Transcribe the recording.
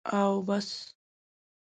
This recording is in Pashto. او بس.